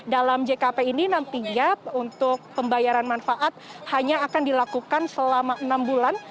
dalam jkp ini nantinya untuk pembayaran manfaat hanya akan dilakukan selama enam bulan